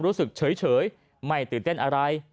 รู้สึกเฉยไม่ตื่นเต้นอะไร